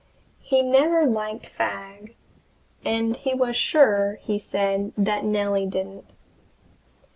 He never liked Fagg, and he was sure, he said, that Nellie didn't.